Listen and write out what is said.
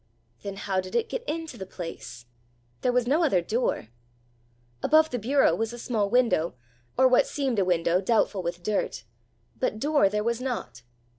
Then how did it get into the place? There was no other door! Above the bureau was a small window, or what seemed a window doubtful with dirt; but door there was not!